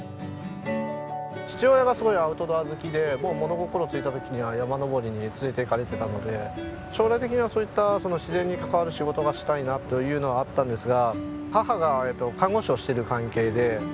父親がすごいアウトドア好きでもう物心ついた時には山登りに連れていかれてたので将来的にはそういった自然に関わる仕事がしたいなというのはあったんですが母が看護師をしている関係で。